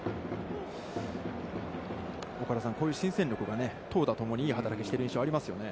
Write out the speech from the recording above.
岡田さん、こういう新戦力が、投打ともに、いい働きをしてる印象がありますよね。